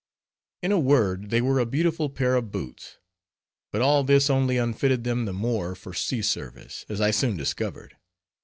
In a word, they were a beautiful pair of boots. But all this only unfitted them the more for sea service; as I soon discovered.